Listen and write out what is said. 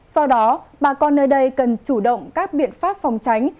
do đó bà con nơi đây cần chủ động các biện pháp phòng tránh